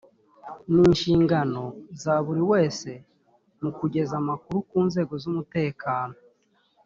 ni inshingano za buri wese mu kugeza amakuru ku nzego zumutekano